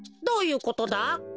どういうことだ？